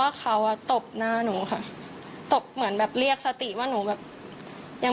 เขาอ่ะตบหน้าหนูค่ะตบเหมือนแบบเรียกสติว่าหนูแบบยัง